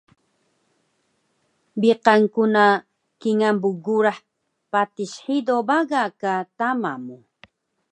Biqan ku na kingal bgurah patis hido baga ka tama mu